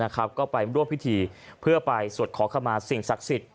ก็ไปร่วมพิธีเพื่อไปสวดขอขมาสิ่งศักดิ์สิทธิ